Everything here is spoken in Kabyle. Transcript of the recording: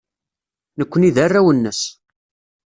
Nekkni d arraw-nnes.